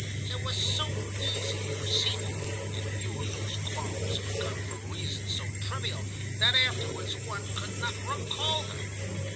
It was so easy to perceive it, in view of those quarrels, begun for reasons so trivial that afterwards one could not recall them.